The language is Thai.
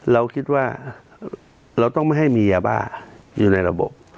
เราคิดว่าเราต้องไม่ให้มียาบ้าอยู่ในระบบ